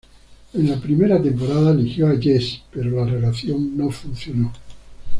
En la primera temporada eligió a Jess pero la relación no funcionó.